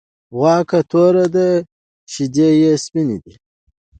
غوا که توره ده شيدې یی سپيني دی .